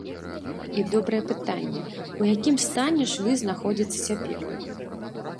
І добрае пытанне, у якім стане швы знаходзяцца цяпер.